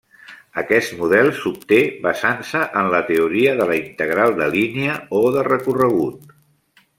Aquest model s'obté basant-se en la teoria de la integral de línia o de recorregut.